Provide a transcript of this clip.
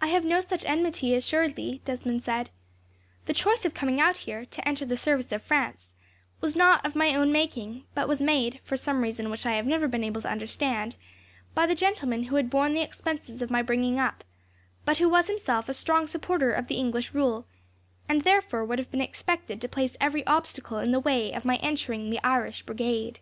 "I have no such enmity, assuredly," Desmond said. "The choice of coming out here, to enter the service of France, was not of my own making; but was made, for some reason which I have never been able to understand, by the gentleman who had borne the expenses of my bringing up, but who was himself a strong supporter of the English rule, and therefore would have been expected to place every obstacle in the way of my entering the Irish Brigade."